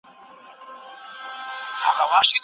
وېروې مي له پېچومو لا دي نه یم پېژندلی